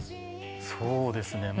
そうですね。